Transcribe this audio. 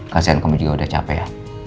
kasihan kami juga udah capek ya